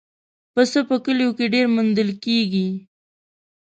پسه په کلیو کې ډېر موندل کېږي.